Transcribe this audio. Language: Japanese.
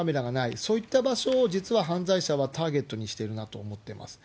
そういった場所を、実は犯罪者はターゲットにしているなと思ってます。